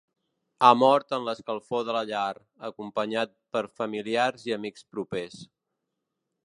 Ha mort en l’escalfor de la llar, acompanyat per familiars i amics propers.